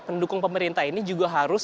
pendukung pemerintah ini juga harus